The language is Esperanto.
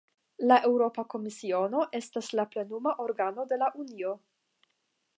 La Eŭropa Komisiono estas la plenuma organo de la Unio.